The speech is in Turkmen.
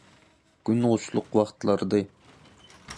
Gün guşluk wagtlarydy.